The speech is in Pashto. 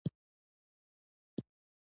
که انسان د خپل وجدان غږ ته غوږ کېږدي.